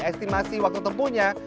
estimasi waktu tempunya